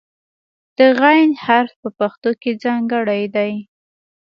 د "غ" حرف په پښتو کې ځانګړی دی.